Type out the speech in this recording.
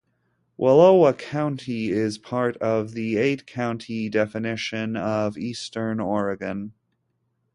Wallowa County is part of the eight-county definition of Eastern Oregon.